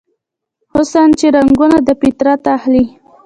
حسن چې رنګونه دفطرت اخلي